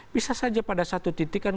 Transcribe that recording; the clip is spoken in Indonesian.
bisa saja pada satu titik kan